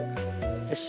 よし。